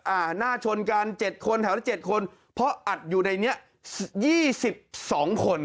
หน้าชนกัน๗คนแถวละ๗คนเพราะอัดอยู่ในนี้๒๒คน